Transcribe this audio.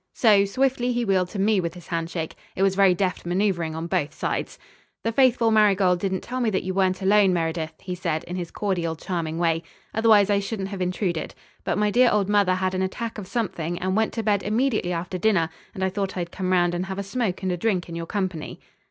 So, swiftly he wheeled to me with his handshake. It was very deft manoeuvring on both sides. "The faithful Marigold didn't tell me that you weren't alone, Meredyth," he said in his cordial, charming way. "Otherwise I shouldn't have intruded. But my dear old mother had an attack of something and went to bed immediately after dinner, and I thought I'd come round and have a smoke and a drink in your company."